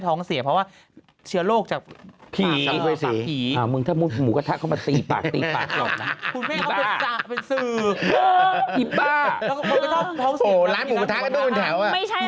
ต้องบอกว่าไงรู้ป่าว